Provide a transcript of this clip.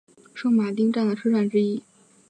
圣马丁站的车站之一。